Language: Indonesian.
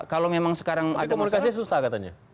kalau memang sekarang ada masalah tapi komunikasi susah katanya